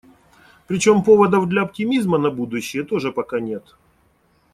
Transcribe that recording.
Причём поводов для оптимизма на будущее тоже пока нет.